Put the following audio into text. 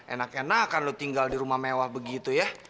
enak enakan lo tinggal di rumah mewah begitu ya